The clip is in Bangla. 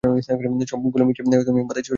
সবগুলো মিশিয়ে নিম পাতায় দিয়ে ছিটিয়ে দিবি।